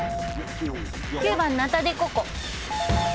９番ナタ・デ・ココ。